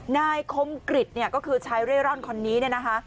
นายคมกริจเนี่ยก็คือชายเร่ร่อนคนนี้เนี่ยนะคะ